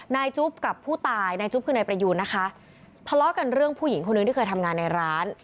จุ๊บกับผู้ตายนายจุ๊บคือนายประยูนนะคะทะเลาะกันเรื่องผู้หญิงคนหนึ่งที่เคยทำงานในร้าน